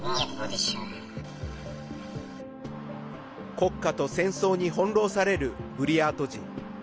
国家と戦争に翻弄されるブリヤート人。